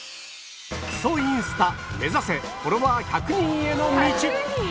インスタ、目指せフォロワー１００人への道。